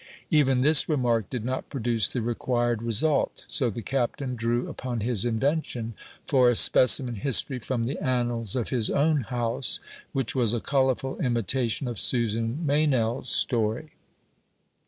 Even this remark did not produce the required result; so the Captain drew upon his invention for a specimen history from the annals of his own house, which was a colourable imitation of Susan Meynell's story.